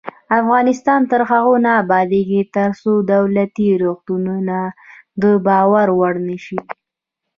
افغانستان تر هغو نه ابادیږي، ترڅو دولتي روغتونونه د باور وړ نشي.